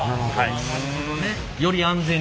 あなるほどね。より安全にという？